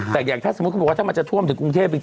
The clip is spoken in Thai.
แต่อย่างถ้าสมมุติเขาบอกว่าถ้ามันจะท่วมถึงกรุงเทพจริง